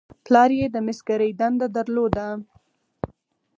پلار یې د مسګرۍ دنده درلوده.